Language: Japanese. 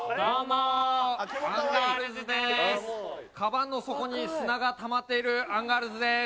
かばんの底に砂がたまっているアンガールズです。